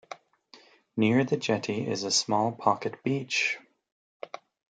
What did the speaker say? Near the jetty is a small pocket beach.